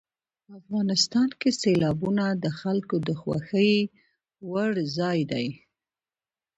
افغانستان کې سیلابونه د خلکو د خوښې وړ ځای دی.